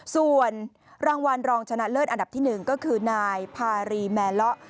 ส่วนรางวัลรองชนะเลิศอันดับที่๑ก็คือนายพารีแมเลาะ